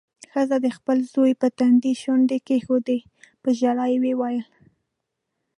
ښځې د خپل زوی پر تندي شونډې کېښودې. په ژړا کې يې وويل: